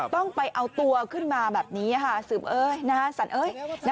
ต้องไปเอาตัวขึ้นมาแบบนี้สืบเอ๊ยสันเอ๊ย